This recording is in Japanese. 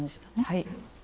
はい。